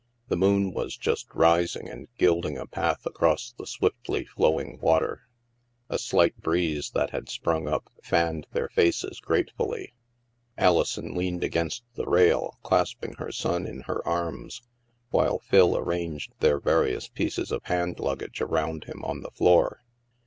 The moon was just rising and gilding a path across the swiftly flowing water. A slight breeze that had sprtmg up fanned their faces gratefully. Alison leaned against the rail, clasping her son in her arms, while Phil arranged their various pieces of hand luggage around him on the floor.